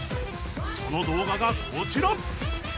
その動画がこちら！